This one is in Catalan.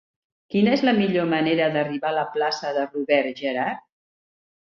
Quina és la millor manera d'arribar a la plaça de Robert Gerhard?